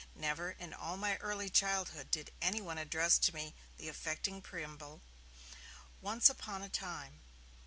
Never in all my early childhood did anyone address to me the affecting preamble, 'Once upon a time!'